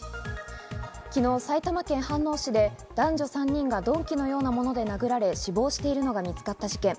昨日、埼玉県飯能市で男女３人が鈍器のようなもので殴られ、死亡しているのが見つかった事件。